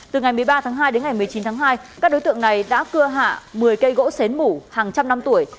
từ ngày một mươi ba tháng hai đến ngày một mươi chín tháng hai các đối tượng này đã cưa hạ một mươi cây gỗ xến mủ hàng trăm năm tuổi